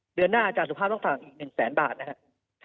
เดือนหน้าอาจารย์สุภาพต้องฝากอีก๑แสนบาทนะครับ